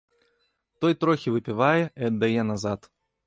Той трохі выпівае і аддае назад.